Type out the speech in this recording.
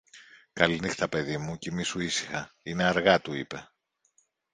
Καληνύχτα, παιδί μου, κοιμήσου ήσυχα, είναι αργά, του είπε.